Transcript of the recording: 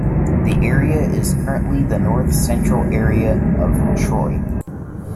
The area is currently the north-central area of Troy.